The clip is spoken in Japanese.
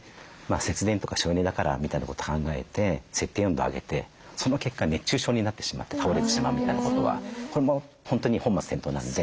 節電とか省エネだからみたいなこと考えて設定温度を上げてその結果熱中症になってしまって倒れてしまうみたいなことはこれも本当に本末転倒なので。